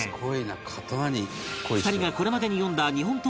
２人がこれまでに読んだ日本刀